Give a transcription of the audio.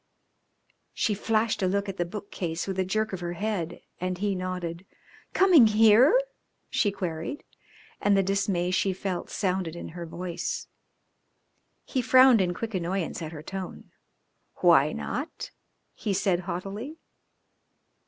She flashed a look at the bookcase with a jerk of her head, and he nodded. "Coming here?" she queried, and the dismay she felt sounded in her voice. He frowned in quick annoyance at her tone. "Why not?" he said haughtily.